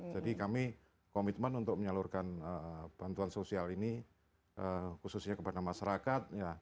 jadi kami komitmen untuk menyalurkan bantuan sosial ini khususnya kepada masyarakat